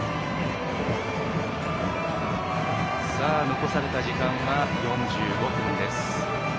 残された時間は４５分です。